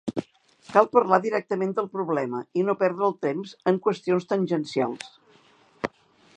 Cal parlar directament del problema i no perdre el temps en qüestions tangencials.